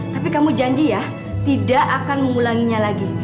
tapi kamu janji ya tidak akan mengulanginya lagi